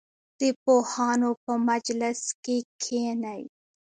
د پوهانو په مجلس کې کښېنئ.